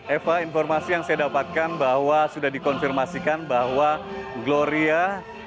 eva informasi yang saya dapatkan bahwa sudah dikonfirmasikan bahwa gloria